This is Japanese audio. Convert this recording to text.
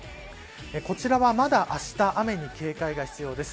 こちらはまだあした雨に警戒が必要です。